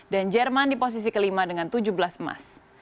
dan jerman di posisi kelima dengan tujuh belas emas